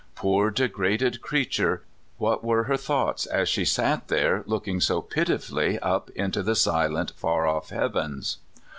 Poor, degraded creature ! What were her thoughts as she sat there looking so pitifully up into the silent, far off heavens?